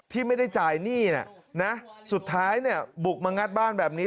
ที่ไม่ได้จ่ายหนี้นะสุดท้ายเนี่ยบุกมางัดบ้านแบบนี้